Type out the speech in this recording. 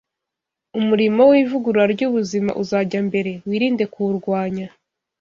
[Umurimo w’ivugurura ry’ubuzima uzajya mbere; wirinde kuwurwanya